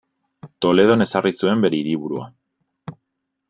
Toledon ezarri zuen bere hiriburua.